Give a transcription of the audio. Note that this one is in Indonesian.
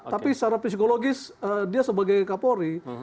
tapi secara psikologis dia sebagai kapolri